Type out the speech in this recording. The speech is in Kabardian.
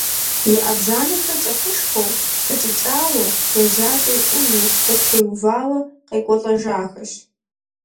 Я Ӏэбжьанэхэр кӀыхьышхуэу пыкӀыкӀауэ, я жьакӀэр Ӏуву къытеувауэ къекӀуэлӀэжахэщ.